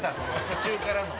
途中からの。